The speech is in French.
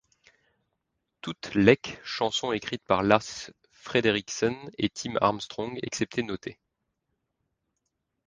Toutes lec chansons écrites par Lars Frederiksen et Tim Armstrong exceptée notée.